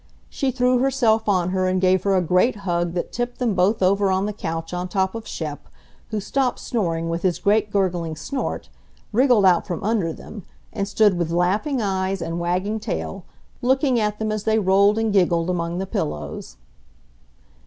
She threw herself on her and gave her a great hug that tipped them both over on the couch on top of Shep, who stopped snoring with his great gurgling snort, wriggled out from under them, and stood with laughing eyes and wagging tail, looking at them as they rolled and giggled among the pillows.